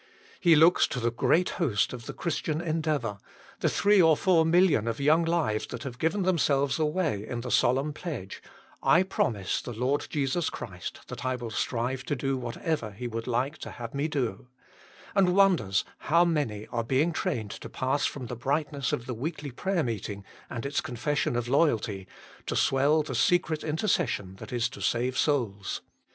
He looks to the great host of the Christian Endeavour, the three or four million of young lives that have given themselves away in the solemn pledge, " I promise the Lord Jesus Christ that I will strive to do whatever He GOD SEEKS INTERCESSORS 177 would like to have me do," and wonders how many are being trained to pass from the brightness of the weekly prayer meeting and its confession of loyalty, to swell the secret intercession that is to save souls.